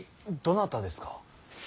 どなたですか。